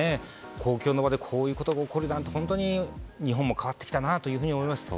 公共の場でこういうことが起きるとは本当に日本も変わってきたなと思います。